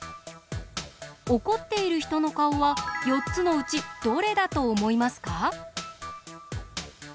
おこっているひとのかおは４つのうちどれだとおもいますか？